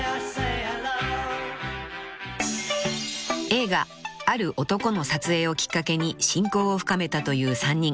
［映画『ある男』の撮影をきっかけに親交を深めたという３人］